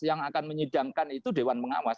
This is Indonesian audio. yang akan menyidangkan itu dewan pengawas